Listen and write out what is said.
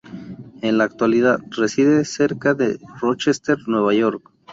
En la actualidad reside cerca de Rochester, New York.